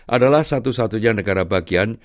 adalah satu satunya negara bagian